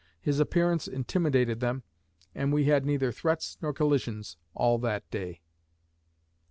His appearance intimidated them, and we had neither threats nor collisions all that day."